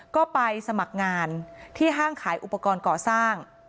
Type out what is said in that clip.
ก็ไปสมัครงานที่ห้างขายอุปกรณ์ก่อสร้าง